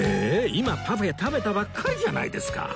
今パフェ食べたばっかりじゃないですか